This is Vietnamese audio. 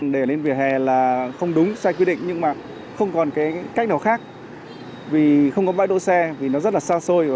để lên vỉa hè là không đúng sai quy định nhưng mà không còn cái cách nào khác vì không có bãi đỗ xe vì nó rất là xa xôi